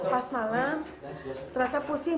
pas malam terasa pusing